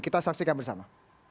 kita saksikan bersama